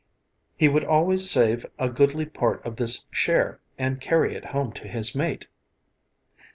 He would always save a goodly part of this share and carry it home to his mate.